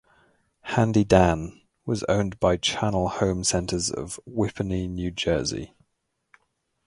Handy Dan was owned by Channel Home Centers of Whippany, New Jersey.